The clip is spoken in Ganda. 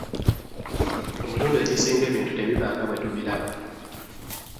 Emirundi egisinga ebintu tebiba nga bwe tubiraba.